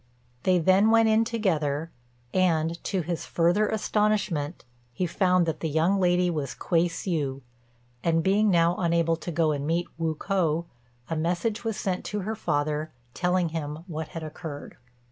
They then went in together, and, to his further astonishment, he found that the young lady was Kuei hsiu; and, being now unable to go and meet Wu k'o, a message was sent to her father, telling him what had occurred.